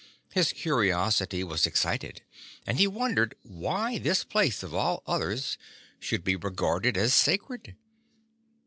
His curiosity was ex cited, and he wondered why this place of all others should 83 be regarded as sacred.